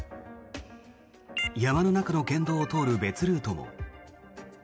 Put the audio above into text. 山の中の県道を通る別ルートも。